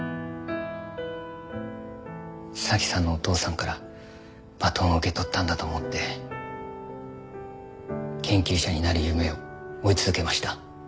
早紀さんのお父さんからバトンを受け取ったんだと思って研究者になる夢を追い続けました。